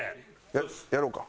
ややろうか。